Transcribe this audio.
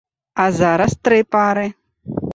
А зараз тры пары.